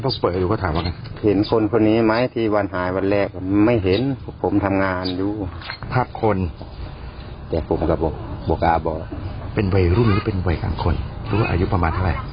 คุณหน้าในกรกกรอกหรือกรกตุ่ม